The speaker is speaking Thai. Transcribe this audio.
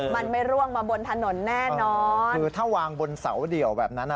มันไม่ร่วงมาบนถนนแน่นอนคือถ้าวางบนเสาเดี่ยวแบบนั้นอ่ะ